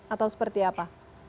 atau seperti apa